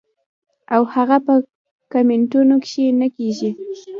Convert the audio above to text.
او هغه پۀ کمنټونو کښې نۀ کيږي -